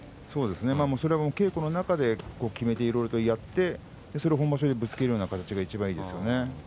それを稽古の中で決めていろいろやってそれを本場所でぶつけるような形がいちばんいいですよね。